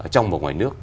trong và ngoài nước